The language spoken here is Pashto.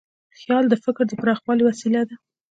خیال د فکر د پراخوالي وسیله ده.